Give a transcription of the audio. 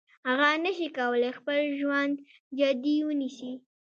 هغه نشي کولای خپل ژوند جدي ونیسي.